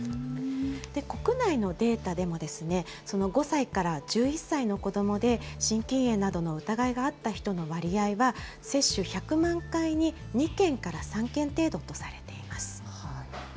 国内のデータでも、５歳から１１歳の子どもで、心筋炎などの疑いがあった人の割合は、接種１００万回に２件から３件程度とされています。